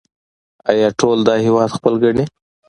آیا ټول دا هیواد خپل ګڼي؟